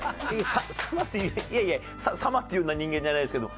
「様」といういやいや「様」というような人間じゃないですけど。